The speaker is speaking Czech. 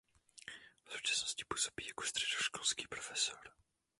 V současnosti působí jako středoškolský profesor.